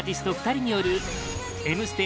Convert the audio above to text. ２人による「Ｍステ」